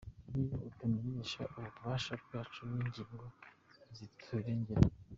Niyo atumenyesha ububasha bwacu n’ingingo ziturengera.